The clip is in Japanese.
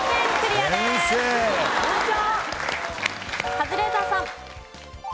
カズレーザーさん。